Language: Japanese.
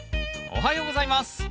おはようございます！